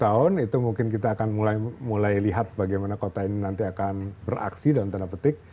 dua puluh tahun itu mungkin kita akan mulai lihat bagaimana kota ini nanti akan beraksi dalam tanda petik